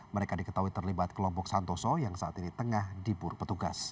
mereka diketahui terlibat kelompok santoso yang saat ini tengah diburu petugas